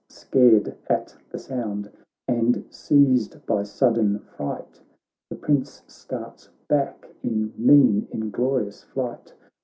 Scared at the sound, and seized by sudden fright, The Prince starts back in mean, inglorious flight.